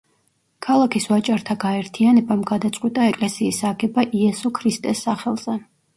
ქალაქის ვაჭართა გაერთიანებამ გადაწყვიტა ეკლესიის აგება იესო ქრისტეს სახელზე.